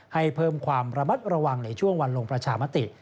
ให้เพิ่มความระมัดระวังในช่วงวันลงประชามติ